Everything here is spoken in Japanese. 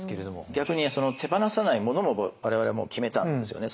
逆に手放さないものも我々もう決めたんですよね。